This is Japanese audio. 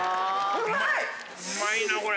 うまいなこれ。